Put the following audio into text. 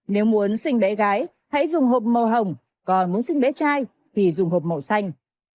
nếu muốn sinh bé gái hãy dùng hộp màu hồng còn muốn sinh bé trai vì dùng hộp màu xanh